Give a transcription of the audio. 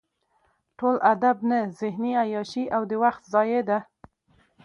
ټول ادب نه ذهني عیاشي او د وخت ضایع ده.